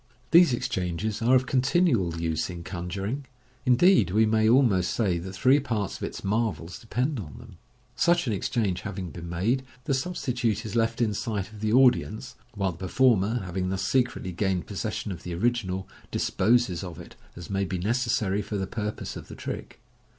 These exchanges are of continual use in conjuring; indeed, we may almost say that three parts of its marvels depend on them. Such an exchange having been made, the substitute is left in sight of the audience, while the per former, having thus secretly gained possession of the original, disposes of it as may be necessary for the purpose of the trick.